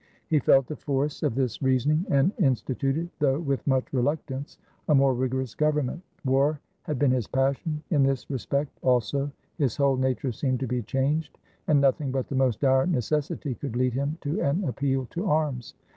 He felt the force of this reasoning, and in stituted, though with much reluctance, a more rigorous government. War had been his passion. In this re 34 VLADIMIR IN SEARCH OF A RELIGION spect also his whole nature seemed to be changed, and nothing but the most dire necessity could lead him to an appeal to arms.